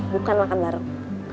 bukan makan bareng